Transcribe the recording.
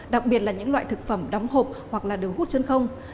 đặc biệt là những loại thực phẩm đóng hộp hoặc là đường hút chân không